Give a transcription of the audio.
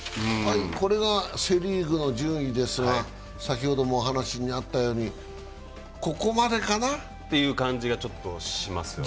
これはセ・リーグの順位ですが先ほど話にあったようにここまでかな？っていう感じがちょっとしますよね。